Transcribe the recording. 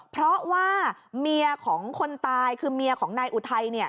เพราะว่าเมียของคนตายคือเมียของนายอุทัย